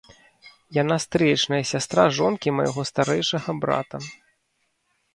Яна стрыечная сястра жонкі майго старэйшага брата.